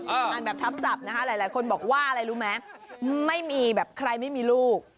อ่านแบบทับจับนะคะหลายคนบอกว่าอะไรรู้ไหมไม่มีแบบใครไม่มีลูก